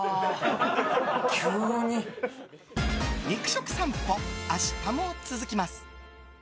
肉食さんぽ、明日も続きます。